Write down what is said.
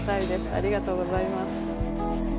ありがとうございます。